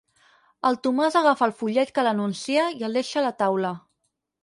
El Tomàs agafa el fullet que l'anuncia i el deixa a la taula.